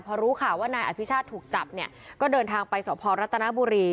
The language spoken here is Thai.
พอรู้ข่าวว่านายอภิชาติถูกจับเนี่ยก็เดินทางไปสพรัฐนบุรี